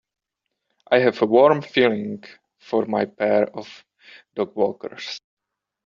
I have a warm feeling for my pair of dogwalkers.